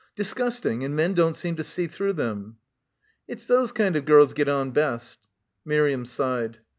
Dis gusting. And men don't seem to see through them." "It's those kind of girls get on best." Miriam sighed.